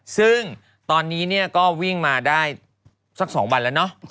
ซึ่งตอนนี้เนี่ยก็วิ่งมาได้สัก๒วันแล้วเนอะ